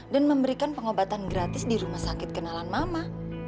memberikan pengobatan gratis di rumah sakit kenalan mama